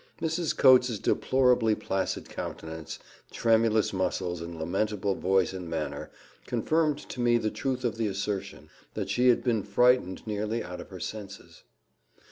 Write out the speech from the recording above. Mrs. Coates's deplorably placid countenance, tremulous muscles, and lamentable voice and manner, confirmed to me the truth of the assertion that she had been frightened nearly out of her senses.